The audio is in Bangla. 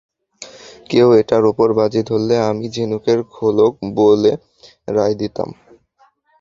কেউ এটার ওপর বাজি ধরলে আমি ঝিনুকের খোলক বলে রায় দিতাম।